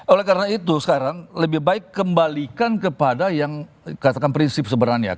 oleh karena itu sekarang lebih baik kembalikan kepada yang katakan prinsip sebenarnya